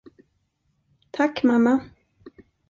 Tack, mamma.